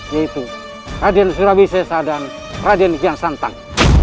yaitu raden suraya sesa dan raden kian santang